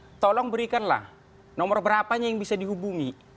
yang kedua ya tolong berikanlah nomor berapanya yang bisa dihubungi